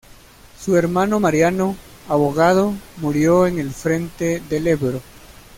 Su hermano Mariano, abogado, murió en el frente del Ebro.